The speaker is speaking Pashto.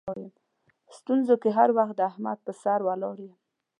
په ستونزو کې هر وخت د احمد پر سر ولاړ یم.